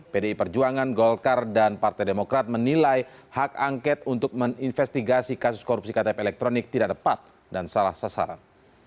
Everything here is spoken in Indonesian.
pdi perjuangan golkar dan partai demokrat menilai hak angket untuk menginvestigasi kasus korupsi ktp elektronik tidak tepat dan salah sasaran